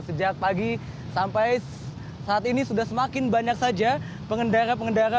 sejak pagi sampai saat ini sudah semakin banyak saja pengendara pengendara